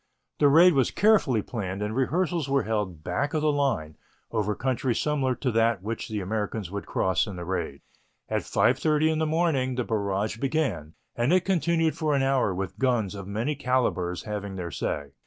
The raid was carefully planned and rehearsals were held back of the line, over country similar to that which the Americans would cross in the raid. At 5.30 in the morning the barrage began and it continued for an hour with guns of many calibres having their say.